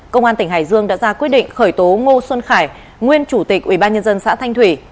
công an tỉnh hải dương đã ra quyết định khởi tố ngô xuân khải nguyên chủ tịch ubnd xã thanh thủy